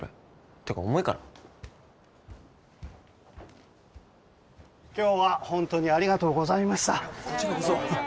てか重いから今日は本当にありがとうございましたこちらこそいえいえ